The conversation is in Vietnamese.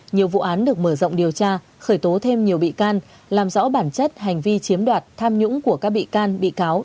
nhiều vụ án được mở rộng điều tra khởi tố thêm nhiều bị can làm rõ bản chất hành vi chiếm đoạt tham nhũng của các bị can bị cáo